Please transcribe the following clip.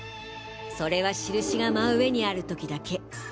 それは印が真上にある時だけ。